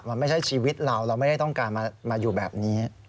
มันไม่ใช่ชีวิตเราเราไม่ได้ต้องการมาอยู่แบบนี้